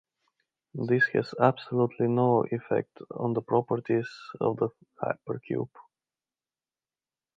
This has absolutely no effect on the properties of the hypercube.